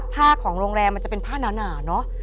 ผ้าของโรงแลมันจะเป็นผ้านาเนาะ